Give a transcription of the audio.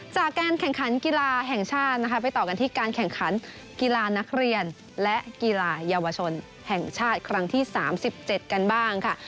จากการแข่งขันกีฬาแห่งชาตินะคะไปต่อกันที่การแข่งขันกีฬานักเรียนและกีฬาเยาวชนแห่งชาติครั้งที่๓๗กันบ้างค่ะ